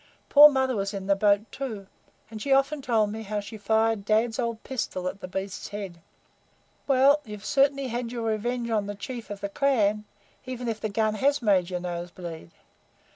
Poor mother was in the boat, too, and she often told me how she fired dad's old pistol at the beast's head." "Well, you've certainly had your revenge on the chief of the clan even if the gun has made your nose bleed.